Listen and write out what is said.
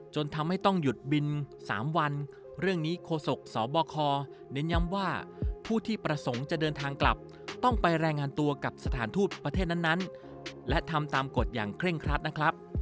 จนทำให้ต้องหยุดบิน๓วันเรื่องนี้โคศกสบคเน้นย้ำว่าผู้ที่ประสงค์จะเดินทางกลับต้องไปรายงานตัวกับสถานทูตประเทศนั้นและทำตามกฎอย่างเคร่งครัดนะครับ